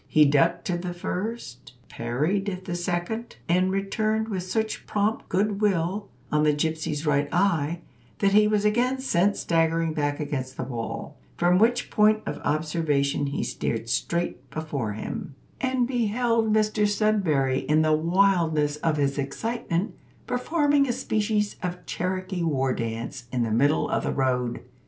He ducked to the first, parried the second, and returned with such prompt good will on the gypsy's right eye, that he was again sent staggering back against the wall; from which point of observation he stared straight before him, and beheld Mr Sudberry in the wildness of his excitement, performing a species of Cherokee war dance in the middle of the road.